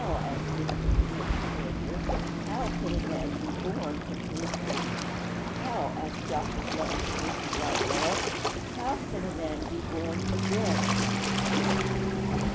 _' asked Nicodemus of the Saviour. 'How can a man be born when he is old?' 'How?' asked Dr. Blund of Mr. Rodwell. 'How can a man be born again?'